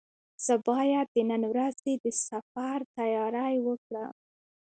زه باید د نن ورځې د سفر تیاري وکړم.